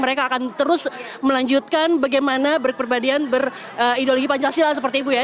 mereka akan terus melanjutkan bagaimana berperbadian berideologi pancasila seperti ibu ya